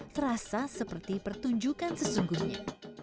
terasa seperti pertunjukan sesungguhnya